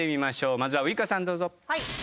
まずはウイカさんどうぞ。